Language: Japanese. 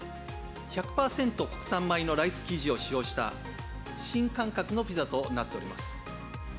国産米のライス生地を使用した新感覚のピザとなっております。